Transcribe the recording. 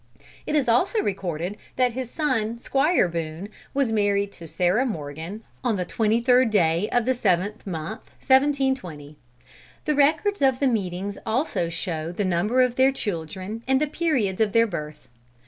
It is also recorded that his son Squire Boone was married to Sarah Morgan, on the twenty third day of seventh month, 1720. The records of the meetings also show the number of their children, and the periods of their birth.